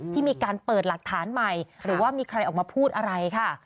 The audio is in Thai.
ที่มีการเปิดหลักฐานใหม่หรือว่ามีใครออกมาพูดอะไรค่ะ